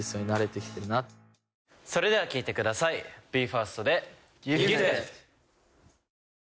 それでは聞いてくださいＢＥ：ＦＩＲＳＴで。